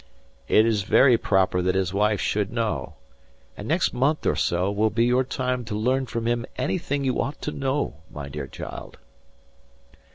"It is very proper that his wife should know. And next month or so will be your time to learn from him anything you ought to know, my dear child."